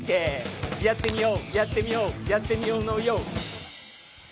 やってみよう、やってみようやってみようのよう！